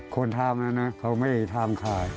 คนทำนั้นเขาไม่ได้ทำขาย